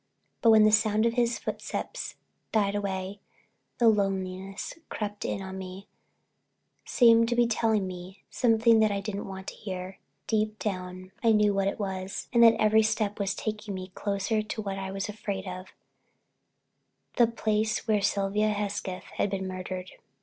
But when the sound of his footsteps died away, the loneliness crept in on me, seemed to be telling me something that I didn't want to hear. Down deep I knew what it was, and that every step was taking me closer to what I was afraid of—the place where Sylvia Hesketh had been murdered.